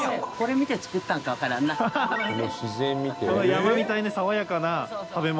あの山みたいに爽やかな食べ物？